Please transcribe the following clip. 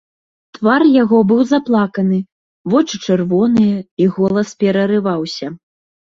Твар яго быў заплаканы, вочы чырвоныя, і голас перарываўся.